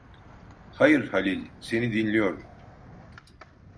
Hayır, Halil, seni dinliyorum…